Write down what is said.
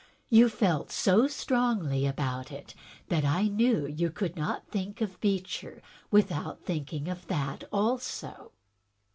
You felt so strongly about it that I knew you could not think of Beecher without thinking of that also.